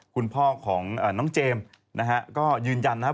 คุณพ่อของน้องเจมส์นะฮะก็ยืนยันนะครับ